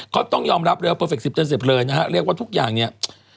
เขาต้องยอมรับเลยนะครับเรียกว่าทุกอย่างเนี่ย